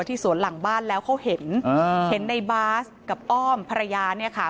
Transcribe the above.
ที่สวนหลังบ้านแล้วเขาเห็นในบาสกับอ้อมภรรยาเนี่ยค่ะ